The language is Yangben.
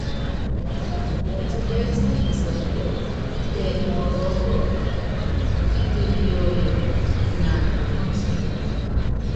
Ɛtɛɛtini insɔkíɔ, tɛ imbɔkɔɔ́kɔ, pitelu yɔɔyɔ, tuna píɔnsulɔ.